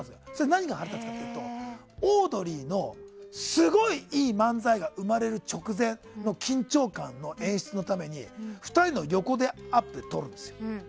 何に腹立つかというとオードリーのすごいいい漫才が生まれる直前の緊張感の演出のために２人の横をアップで撮るんですよ。